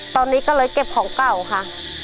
ตอนนี้ก็เลยเก็บของเก่าค่ะ